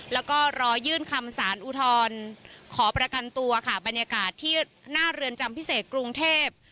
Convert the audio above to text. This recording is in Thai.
แล้วก็รอยื่นคำสารอุทธรณ์ขอประกันตัวค่ะบรรยากาศที่หน้าเรือนจำพิเศษกรุงเทพ